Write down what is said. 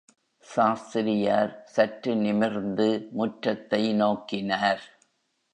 சாஸ்திரியார் சற்று நிமிர்ந்து முற்றத்தை நோக்கினார்.